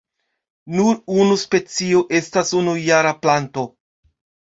Nur unu specio estas unujara planto.